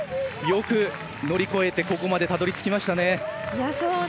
よく乗り越えてここまでたどり着きましたね。